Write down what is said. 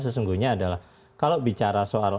sesungguhnya adalah kalau bicara soal